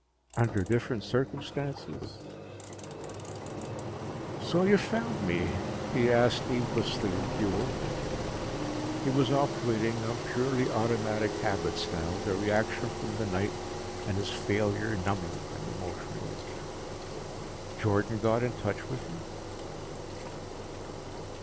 Under different circumstances ... "So you found me?" he asked needlessly of Buehl. He was operating on purely automatic habits now, the reaction from the night and his failure numbing him emotionally. "Jordan got in touch with you?"